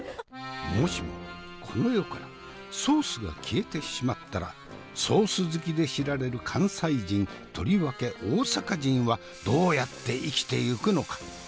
もしもこの世からソースが消えてしまったらソース好きで知られる関西人とりわけ大阪人はどうやって生きてゆくのか？